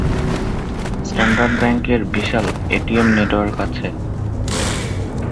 Standard ব্যাংকের বিশাল ATM network আছে।